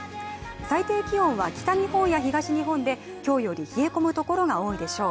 最低気温は北日本や東日本で今日より冷え込むところが多いでしょう。